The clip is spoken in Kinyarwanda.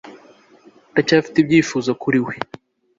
Ndacyafite ibyifuzo kuriwe